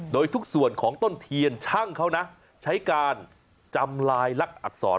โดยทุกส่วนของต้นเทียนช่างเขานะใช้การจำลายลักษณ์อักษร